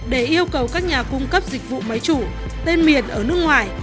để yêu cầu các nhà cung cấp dịch vụ máy chủ tên miền ở nước ngoài